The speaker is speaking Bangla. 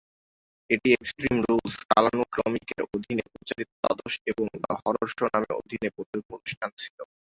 এটি এক্সট্রিম রুলস কালানুক্রমিকের অধীনে প্রচারিত দ্বাদশ এবং "দ্য হরর শো" নামের অধীনে প্রথম অনুষ্ঠান ছিল।